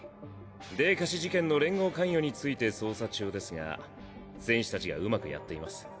泥花市事件の連合関与について捜査中ですが戦士達が上手くやっています。